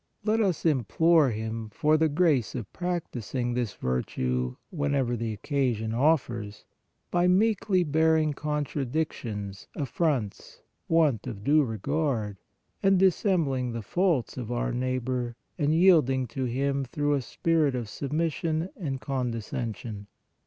Let us implore Him for the grace of practising this virtue, whenever the occasion offers, by meekly bear ing contradictions, affronts, want of due regard, and dissembling the faults of our neighbor and yielding to him through a spirit of submission and con descension.